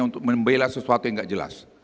untuk membela sesuatu yang tidak jelas